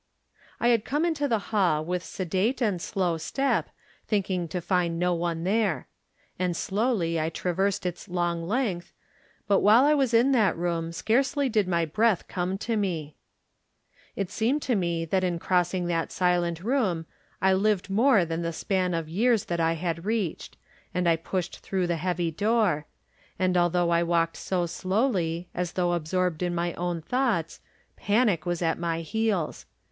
I had come into the hall with sedate and slow step, thinking to find no one there. And slowly I traversed its long length, but while I was in that room scarcely did my breath come to me. It seemed to me that in crossing that silent room I lived more than the span of years that I had reached, and I pushed through the heavy door; and although I walked so slowly, as though absorbed in my own thoughts, panic was at my heels.